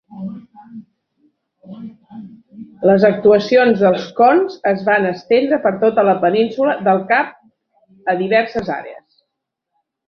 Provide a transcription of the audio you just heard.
Les actuacions dels Coons es van estendre per tota la Península del Cap a diverses àrees.